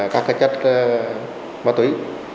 các chất ma túy